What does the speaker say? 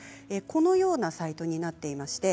このようなサイトになっています。